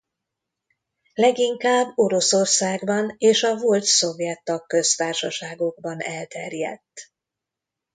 Leginkább Oroszországban és a volt szovjet tagköztársaságokban elterjedt.